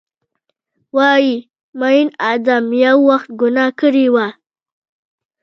وایې ، میین ادم یو وخت ګناه کړي وه